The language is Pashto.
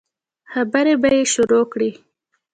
خبرې به يې شروع کړې.